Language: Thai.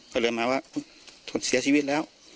เขาเดินมาว่าหยุดเสียชีวิตแล้ว